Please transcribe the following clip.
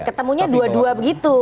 ketemunya dua dua begitu